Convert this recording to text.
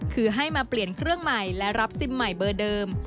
คือให้มาเปลี่ยนเครื่องใหม่และรับซิมใหม่เบอร์เดิม